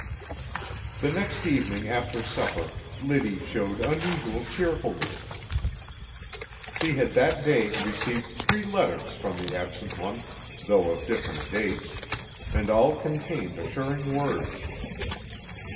The next evening after supper Liddy showed unusual cheerfulness. She had that day received three letters from the absent one, though of different dates, and all contained assuring words.